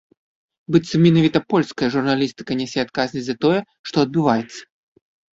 Быццам менавіта польская журналістыка нясе адказнасць за тое, што адбываецца.